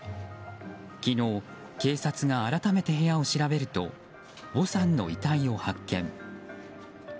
昨日、警察が改めて部屋を調べるとヴォさんの遺体を発見。